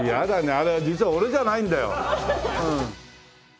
あれ実は俺じゃないんだよ。